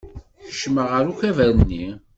Kecmen ɣer ukabar-nni.